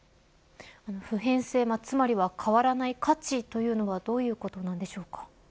不変性つまりは変わらない価値というのはどういったことなんでしょうか。